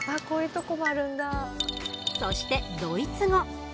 そしてドイツ語。